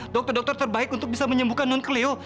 dokter dokter terbaik untuk bisa menyembuhkan non cleo